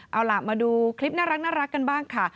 เอาล่ะมาดูคลิปน่ารักกันบ้างค่ะ